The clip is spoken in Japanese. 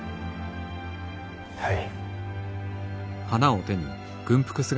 はい。